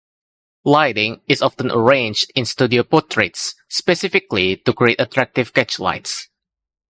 Lighting is often arranged in studio portraits specifically to create attractive catch lights.